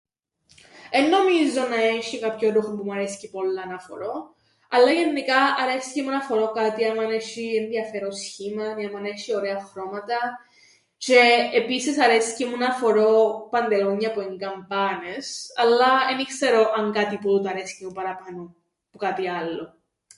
Εν νομίζω να έσ̆ει κάποιον ρούχον που μου αρέσκει πολλά να φορώ, αλλά γεννικά αρέσκει μου να φορώ κάτι άμαν έσ̆ει ενδιαφέρον σχήμαν ή άμαν έσ̆ει ωραία χρώματα τžαι επίσης αρέσκει μου να φορώ παντελόνια που εν' καμπάνες, αλλά εν ι-ξέρω αν κάτι που τούτα αρέσκει μου παραπάνω που κάτι άλλον.